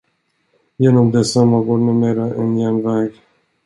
Genom detsamma går numera en järnväg.